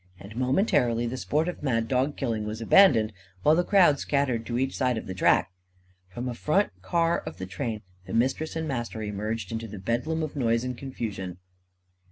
And, momentarily, the sport of "mad dog" killing was abandoned, while the crowd scattered to each side of the track. From a front car of the train the Mistress and the Master emerged into a bedlam of noise and confusion.